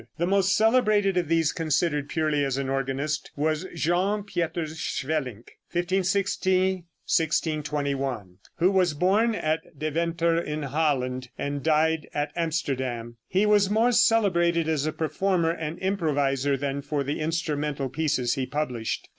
The most celebrated of these, considered purely as an organist, was Jean Pieters Swelinck (1560 1621), who was born at Deventer in Holland, and died at Amsterdam. He was more celebrated as a performer and improviser than for the instrumental pieces he published.